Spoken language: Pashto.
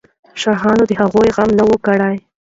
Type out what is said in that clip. شاهانو د هغې غم نه وو کړی.